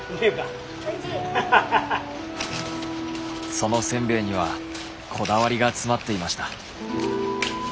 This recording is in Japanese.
そのせんべいにはこだわりが詰まっていました。